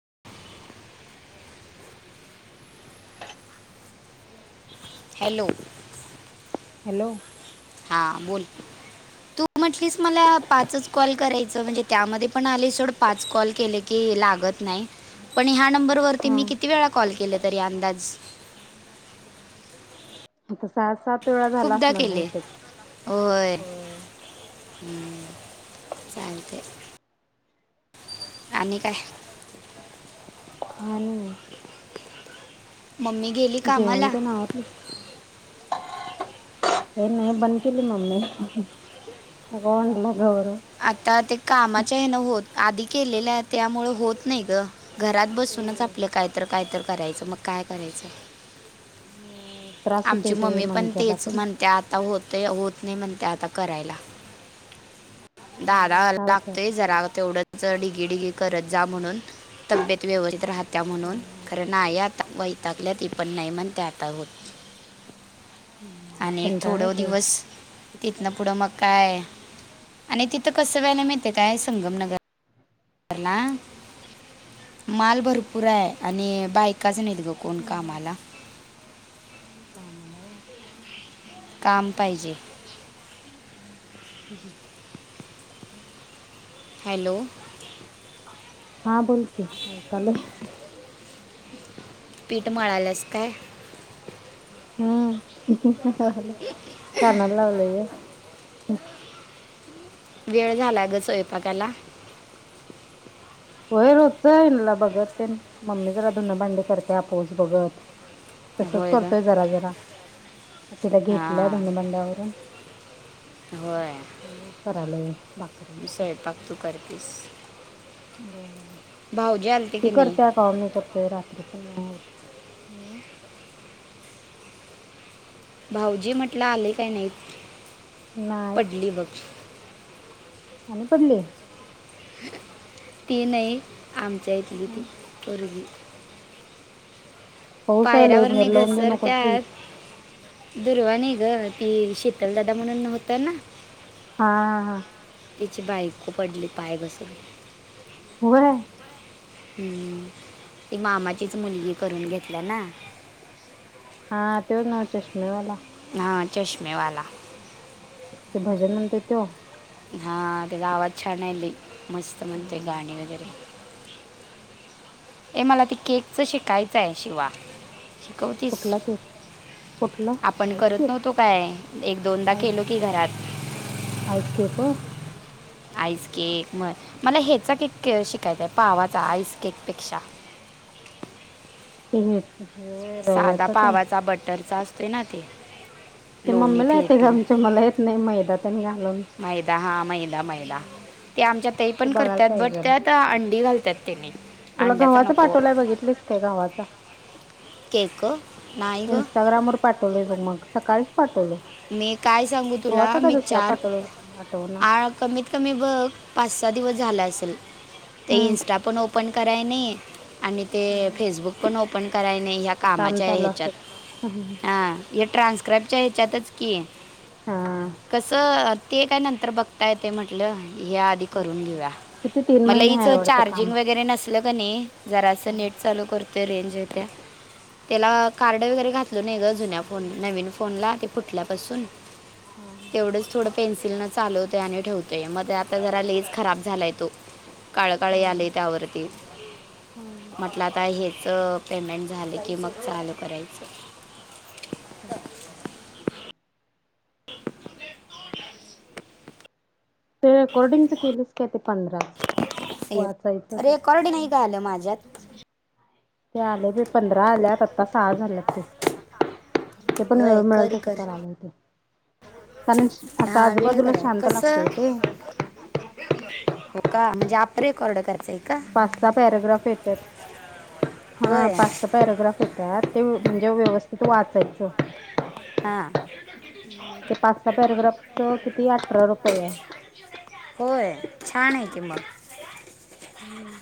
[inaudible] Hello. Hello. हा बोल. तू म्हटलीस मला पाचच कॉल करायच म्हणजे त्यामध्ये पण आले सोड पाच कॉल केले की. लागत नाही पण ह नंबर वरती हा मी किती वेळा कॉल केल तरी अंदाज. आता सहा-सात वेळा झाला अस खूपदा ना केले बहुतेक हो. ह चालते. आणि काय. खणी. मम्मी गेली जेवण कामाला ते नावतच. हे नाही बन केली मम्मीण ना. आता ते कामाच्या हे ना होत आधी केलेल्या त्यामुळे होत नाही ग. घरात बसूनच ते आपलं कायत कायत करायचं मग काय करायचं. हो आमची मम्मी पण तेच म्हणते आता होत. ते होत नाही म्हणते आता करायला. दहादाहा होय वला काय होतंय लागतोय आता जरा तेवढंच डिगी डिगी करत जा म्हणून. तब्येत व्यवस्थित राहत्या हा म्हणून हा खरं नाही आता. टाकल्या ती पण नाही म्हण त्या आता होत. हम्म आणि कंटाळा थोड येतोय दिवस किती तिथ काम ना आहे? पुढं मग काय. आणि तिथं कसं व्हायला मिळते काय संगमनगर. ला माल भरपूर आहे आणि बायकाच नाही. जो कोण हम्म कामला. [inaudible] काम पाहिजे. हम् हम. हॅलो. हा बोल के हॅलो. पीठ मळालंस काय. हम्म काणालावल आहे. वेळ झाला ग स्वयंपाकाला. होय रोजचं आहेनला बघत ते मम्मी जरा दधनं भांडी करते आपोस बघत. तसच होय ग करतोय जरा जरा. ह तिला घेटलं हां दोन बंड्यावरून. होय कराले बाकरी. बस. हो ती की नाही करतेय का मी करतेय रात्री पण होत. हम. भाऊजी म्हटलं आले काय नाही पडली बघ. हनी पडले. ती नाही आमच्या इथली ती मुलगी. पाऊस आहे लय पायऱ्यावर बाहेर नि लावून देऊ घसर नकोस बाई त्यात दुरवानी. ग ती शतलदादा म्हणून होत ना हा हा हा तिची बायको पडली पाय बसली. हो. हम्म ती मामाचीच मुलगी करून घेतल्या ना. हा ते नाव चष्मेवाला. हां चष्मेवाला ते भजन म्हणते तो? हा त्याचा आवाज छान ये बई, मस्त म्हणते गाणे वैगरे. ए मला ते केकच शिकायचाये शिवा शिकवतीस? कुठला केक कुठलं आपण आईस करत केक नवतो काय एक दोनदा केलो की घरात. आईसकेक. आईस केक म मला ह्येचा केक शिकायचाय पावाचा आईस केक पेक्षा. [unintelligible] साधा रव्याचा तेन पावाचा बटरचा असतोय ना ते. ते लोणी मम्मीला येते ग फेटून आमचे मला येत नाही मैदात न घालून. ते मैदा हा मैदा मैदा ते आमच्या तइ पण बघायला करतात पाहिजे बट जरा त्या त अं डी घालतात तेने. तुला गव्हाच पाठोलाय बघितलीस काय गव्हाचा? केक नाही ग इंस्टाग्रामवर पाठवलेय बग मग सकाळीच पाठवलय. मी काय सांगू तुला गव्हाचा काय मी दुसरा चार पाठवलाय मला आठवना कमीत कमी बघ पाच सहा दिवस झाला असेल ते इन्स्टा पण ओपन कराय नई फेसबुक पण ओपन ह्या कामा काम चालू ह्याच्या असल ट्रानक्राबच्या ह्याच्यातच कि हा कस ते काय नंतर बघता येतय म्हटल आधी करून घेउया, किती तीन मनल महिने हिच हाय वाटतं काम चार्जिंग वगरे नसल जरास हा नेट चालू कर तेला रेंज येते, त्याला कार्ड वगैरे घातल नाही ग जुन्या फोन, नवीन फोनला फूटल्यापासून हा हा तेवढच थोड पेन्सिल न चालवतय आणि ठेवतोय मध्ये आता जरा लइच खराब झालाय तो. काळ काळे आलय त्यावरती हा म्हटला आता हेच अ पेमेंट झाल की मग चालू करायच. [unintelligible] ते रेकॉर्डिंगच केलेत काय ते पंधरा वाचायच ते? [unintelligible] आल माझ्यात ते आले ब पंधरा आल्यात, आता सआ झाल्यात ते. ते पण होय वेळ मिळाल कर तस कर कराव लागत. कारण अस हा वेळ आजूबाजूला कर शांत लागतेय कसं ते. हो का म्हणजे आप रेकॉर्ड करायचय. पाच सा पॅराग्राफ येतात हा होय पाच स पॅराग्राफ येतात ते. म्हणजे व्यवस्थित वाचायच. [unintelligible] ते पाच सा पॅरग्राफच किती अठरा रुपये ये. होय, छान ये की मग. हम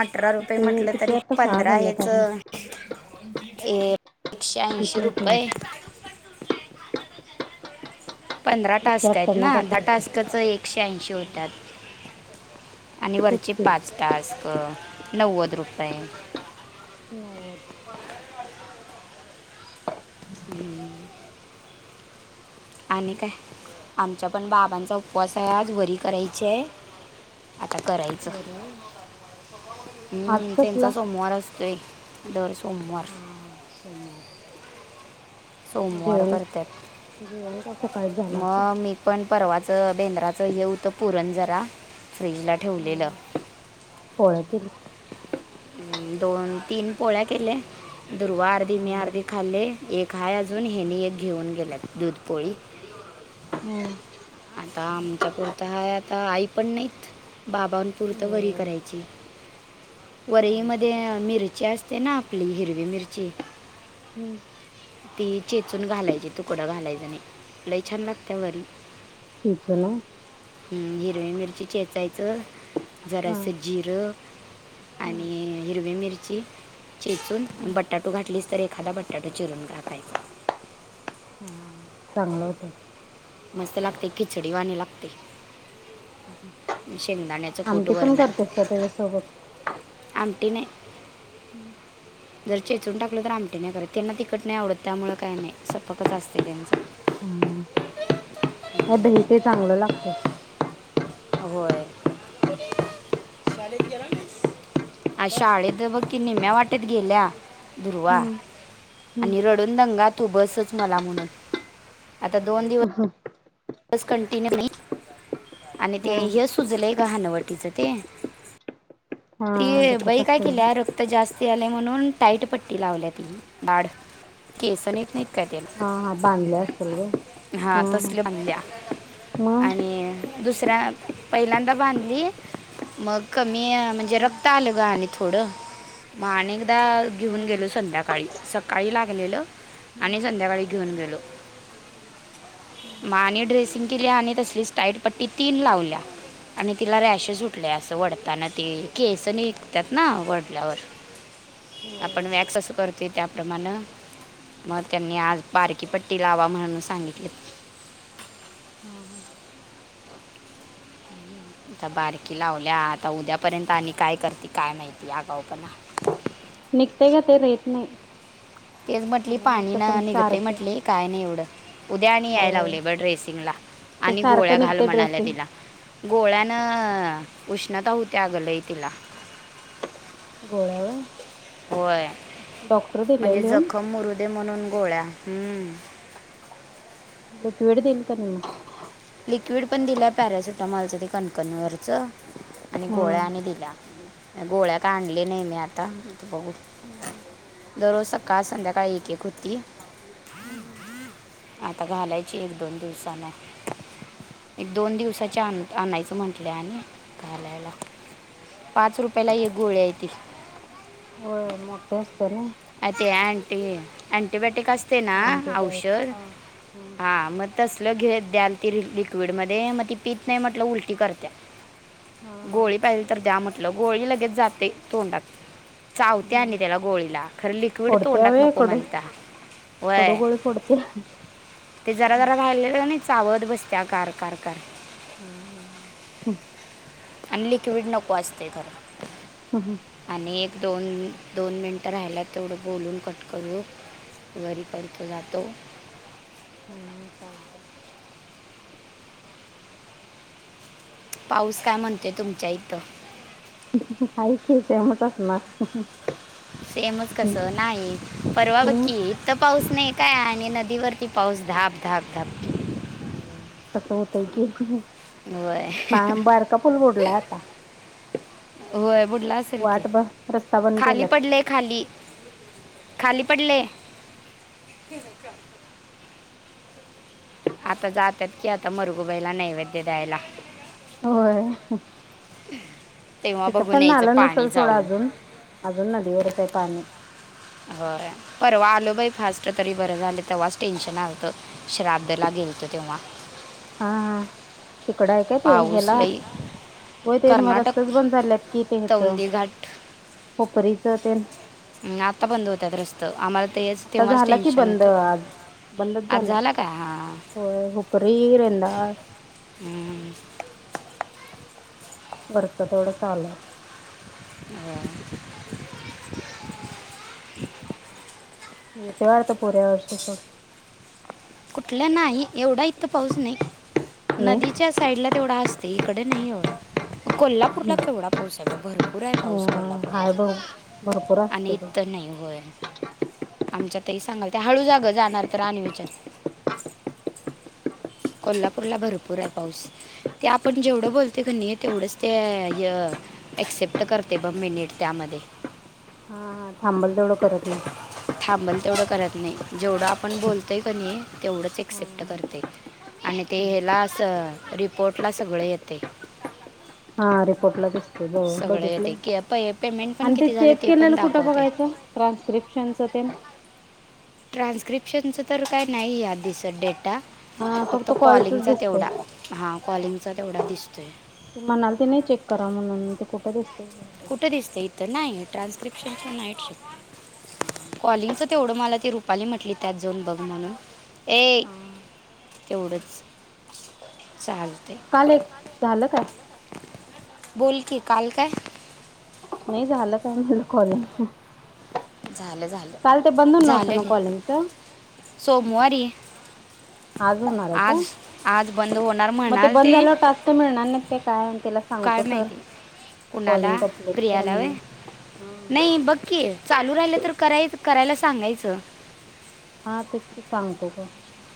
अठरा रुपये ते म्हटलं किती तरी आता सहा पंधरा हेच जाल्यतन. ए, एकशे ऐंशी रुपये. होते पंधरा एकशे टास्क आहेत अठ्ठ्याण्णव ना? दा काहीतरी होते टास्कच एकशे ऐंशी होत्यात. आणि तेच वरचे की पाच टास्क नव्वद रुपये. नवद. हम्म. आणि काय आमचा पण बाबांचा उपवास ये आज वरी करायची ये. आता करायच वर होय आज हम्म कसला त्यांचा सोमवार असतोय दर सोमवार. हा सोमवार सोमवार जेवण जेवण काय सकाळीच करत्यात झालं असेल मग मी पण परवाच बेंद्राचं हे होत पुरण जरा फ्रीजला ठेवलेल. हा पोळ्या केलीस दोन, तीन पोळ्या केल्या. दुर्वा अर्धी, हो मी अर्धी खाल्ले एक हा अजून हेनी एक घेऊन गेलेत. दुधपोळी. हम्म आता आमच्या पुरत हा आता आई पण नाहीत बाबांपुरतं वरी करायची चालत वरईमध्ये मिरची असते. ते ना आपली हिरवी मिरची. हम्म. ती चेचून घालायची तुकडं घालायचं नाही लय छान लागत वरी. चीच ना. हम् हिरवी मिरची चेेचायचं हा जरासं जिरं. हा आणि हिरवी मिरची चेचून बटाटू घातलीस तर एक. खड बटाट चुरण काकाय. हा चांगलं होत. मस्त लागते खिचडीवाणी लागते. शेंगदाण्याचं कूट आमटी पण वर्ण. करतेस का त्याच्यासोबत [inaudible] आंटी ने. हम्म. जर चेचून टाकलं तर आमटे नाही करत त्यांना तिकट नाही आवडत त्यामुळे काय नाही सपकच असते त्यांचं. ह अद मी ते चांगलं लागत. होय. अआज शाळेत बघ की निम्या वाटेत गेल्या दुर्वा. आणि रडून दंगा तू बसच मला म्हणून आता दोन दिवस. ह हा. स कंटिन्यू आणि ते हा हे सुजलंय का हानवटीच ते. ती हा दुखत बाई काय असेल कि ल रक्त जास्ती आले. म्हणून टाईट पट्टी लावल्या ती दढ केसन येत नाहीत काय त्याला. हा हा बांधले असेल ग हां हा. तसले बांधल्या मग आणि दुसऱ्या पहिल्यांदा बांधली. मग कमी म्हणजे रक्त आलं ग आणि थोडं. मग आनिऐकदा घेऊन हा गेलो संध्याकाळी सकाळी लागलेलं. आणि संध्याकाळी घेऊन गेलो मानी. ड्रेसिंग केल्या आणि तसलीस टाईट पट्टी तीन लावल्या. आणि तिला रॅश सुटलेय असं वडताना त केस निघतात ना वडल्यावर. आपण होय हा वॅक्स असं करतोय त्याप्रमाण. मग त्यांनी आज बारकी पट्टी लावा म्हणून सांगितले. हा काय नाही आता बारकी लावल्या आता उद्यापर्यंत आणि काय करते काय माहिती अगा पण. [inaudible] निघतय का ते राेत नाही. तेच म्हटली पाणी अनन्याच ना पण निघत सारखं म्हंटली काय नाही एवढं. उद्या आणि याय हो लावले बड रेसिंगला ते आणि गोळ्या सारखं घाल निघते म्हणाल्या ड्रेसिंग तिला. गोळ्यानं उष्णता होत्या अगलय तिला. होय. होय म्हणजे लिहून जखम मुरुदे म्हणून गोळ्या. हम्म. लि कविडदल का निम. लिक्विड पण दिलाय पॅरासिटामॉलच ते कणकणवरच. आणि गोळ्या हम्म. आणि दिल्या गोळ्या का आणली नाही मी आता. बघ दररोज सकाळ संध्याकाळी एक एक होती. हम्म. आता घालायची एक दोन दिवसाना. एक दोन दिवसाच्या आणायचं म्हंटलं आणि घालायला. पाच रुपयाला एक गोळ्या ते. होय मोठे असते ना. अंटंटीबायोटिक. ना अँटीबायोटिक औषध हा हम्म हा मग तसलं घे. द्याल ती लिक्विड मध्ये मग ती पीत नाही म्हटलं उलटी करते. हा हा गोळी पाहिली तर द्या म्हटलं गोळी लगेच जाते तोंडात. चावत्या हम्म आणि त्याला गोळीला. खरं लिक्विड फोडत्या तोंडात व्हय नको कडू म्हणता कडू वय. गोळी फोडत्या ते जरा हम्म जरा ऱ्हायलेलं नाही चावत बसत कार कार कर. हम. आणि लिक्विड नको असते खर हा हम्म. आणि. दोन दोन मिनटं राहाला तेवढं बोलून कट करू. घरी परतो जातो. हा चालते. पाऊस काय म्हणतोय तुमच्या इथं. आहे की सेमच असणार. सेमच कस हम्म नाही परवा बघ की इत पाऊस नाही. काय आणि नदीवरती पाऊस धाप धाप धाप. ह तस होतय की. वय. पा बारका पूल बुडलाय आता होय बुडला असेल की वाट ब रस्ता बंद खाली केल्यात पडलेय खाली. खाली पडले. आता जातात की आता मुरगूबाईला नैवेद्य द्यायला. होय. तेव्हा तिथं बघून पण यायचं आलं पाणी नसेल सोडा जाऊन अजून अजून नदीवरच आहे पाणी. होय परवा. आलो बाई फास्ट तरी बरं झालं तेव्हाच टेन्शन आलतं श्रा्धला गेलतो तेव्हा. हा हा तीकड ऐ काय ते पाऊस हेला. लई होय ते कर्नाटक रस्ताच बंद झालेत कि ते हित तौंदी घाट हूपरीच तेन. हम् आता बंद होत रस्त आम्हाला. तेच आता तेव्हाच झाला कि टेन्शन बंद होतं आज. बंदच आज झालंय झाला का हां होय हूपरी, रेंदाल. हम्म. वरच तेवढं चालंय. ह. [unintelligible] येते वाडत पुऱ्या वर्षी सोड. कुठला नाही एवढा इतथं पाऊस नाही नाही नदीच्या साईडला तेवढा असत. ते ईकड नाही एवढा. कोल्हापूरला केवढा पाऊस आहे बग भरपूर आहे अ पाऊस कोल्हापूरला. हाय बघ भरपूर आणि असते ते इत नाही होय आमच्यात. तरी सांगाल त्या हळू जागं जाणार तर आणवीच्यात. कोल्हापूरला भरपूर आहे पाऊस. ते आपण जेवढं बोलते किनाई तेवढंच ते एक्सेप्ट करते बग मिनिट त्या मध्ये हा थांबल तेवढ थांबल तेवढं करत. नाही जेवढं आपण बोलतोय की नी तेवढंच एक्सेप्ट करतय. आणि ते हेला अस रिपोर्ट ला सगळ येतय. हा रिपोर्टला दिस. बघितलं येते की पे पेमेंट पण आणि ते किती झालं चेक केलं पण ना कुठं दाखवते बघायचं ट्रान्स्क्रिप्शनच. तेन. ट्रान्स्क्रिप्शनचं तर काय नाही दिसत डेटा. हा फक्त कॉलचच कॉलिंगचा तेवढा दिसतंय हा कॉलिंगचा तेवढा दिसतोय. ते म्हणाल ते नाही चेक करा म्हणून ते कुठे दिस. कुठं दिसतं इथं नाही ट्रान्स्क्रिप्शनच्या नाईट शिफ्ट. कॉलिंगच तेवढं मला ते पाली म्हटली त्यात जाऊन बघ म्हणून. ए तेवढंच चाल काल एक झालं काय? बोल की काल काय? नाही झालं काय म्हनल कॉलिंग झालं काल ते बंद झालं नव्हतं झालं ना ग कॉलिंगच सोमवारी. आज होणार आहे का? आज आज बंद होणार मग ते म्हणाल बंद झाल्यावर टास् मिळणार नाही ते काय त्याला सांगतो काय तर माहिती कुणाला, कॉलिंग कम्प्लीट कर प्रियाला व्हय म्हणून ह नाही बघकी चालू राहिलं तर करायच करायला सांगायचं? हा तेच की सांगतो ग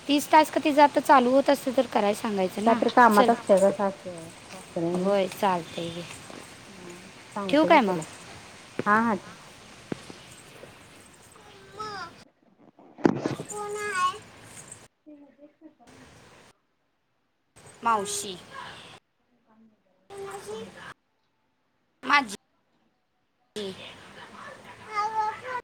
तीस टास्क तीच जर आता चालू होत असते तर करायला ते सांगायचं ना काहीतरी कामात चल असते का सास सासऱ्या होय चालतंय हा ठेवू सांगतो की काय तिला मग हा हा ठ कोण हाय [inaudible] मावशी [inaudible] माझी हा